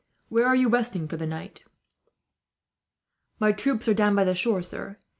"Where are you resting for the night?" "My troops are down by the shore, sir.